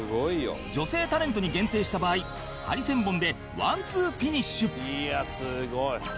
女性タレントに限定した場合ハリセンボンでワンツーフィニッシュいやすごい！